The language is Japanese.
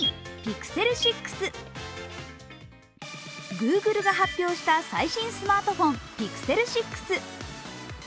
グーグルが発表した最新スマートフォン、Ｐｉｘｅｌ６。